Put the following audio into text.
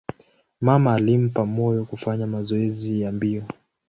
Mama alimpa moyo kufanya mazoezi ya mbio.